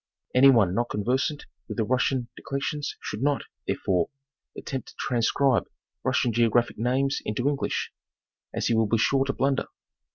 Any one not conversant with the Russian declensions should not, therefore, attempt to transcribe Russian geographic names into English, as he will be sure to blunder.